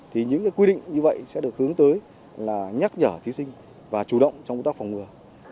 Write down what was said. thì những quy định như vậy sẽ được hướng tới là nhắc nhở thí sinh và chủ động trong công tác phòng ngừa